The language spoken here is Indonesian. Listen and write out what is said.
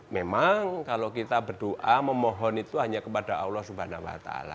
memang kalau kita berdoa memohon itu hanya kepada allah swt